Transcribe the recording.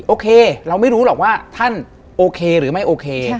โอเคเราไม่รู้หรอกว่าท่านโอเคหรือไม่โอเค